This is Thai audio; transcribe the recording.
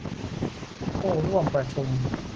ผู้ร่วมประชุม